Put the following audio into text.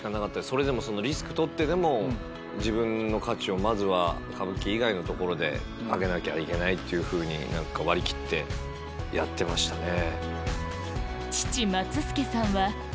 それでもそのリスク取ってでも自分の価値をまずは歌舞伎以外のところで上げなきゃいけないって割り切ってやってましたね。